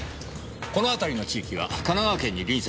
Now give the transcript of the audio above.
この辺りの地域は神奈川県に隣接しています。